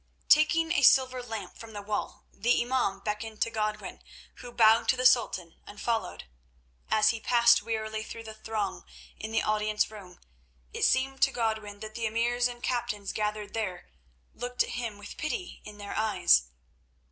Taking a silver lamp from the wall, the imaum beckoned to Godwin, who bowed to the Sultan and followed. As he passed wearily through the throng in the audience room, it seemed to Godwin that the emirs and captains gathered there looked at him with pity in their eyes.